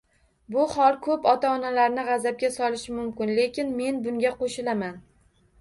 Bu hol koʻp ota-onalarni gʻazabga solishim mumkin, lekin men bunga qoʻshilaman.